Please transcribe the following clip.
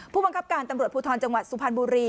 ผู้บังคับการตำรวจภูทรจังหวัดสุพรรณบุรี